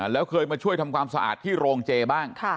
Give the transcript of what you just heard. แล้วเคยมาช่วยทำความสะอาดที่โรงเจบ้าง